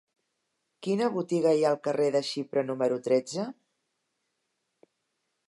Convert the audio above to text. Quina botiga hi ha al carrer de Xipre número tretze?